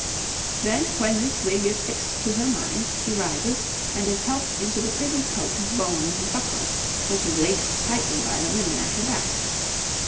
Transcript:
Then, when this wig is fixed to her mind, she rises, and is helped into the privie coat of bones and buckram, which is laced tightly by the women at her back.